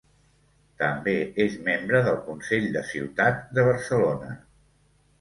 També és membre del Consell de Ciutat de Barcelona.